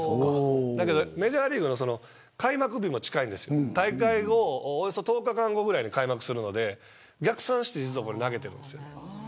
でも、メジャーリーグの開幕日も近くて大会後の１０日間後ぐらいに開幕するので逆算して投げてるんです。